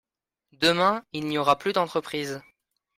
Demain, il n’y aura plus d’entreprises